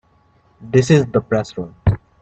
This is the Press Room.